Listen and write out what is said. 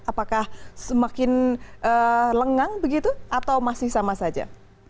apakah semakin lengang begitu atau masih sama saja